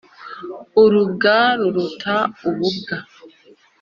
urubwa ruruta ububwa”.